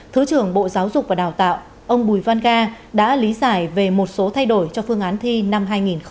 thứ trưởng bộ giáo dục và đào tạo ông bùi văn ga đã lý giải về một số thay đổi cho phương án thi năm hai nghìn hai mươi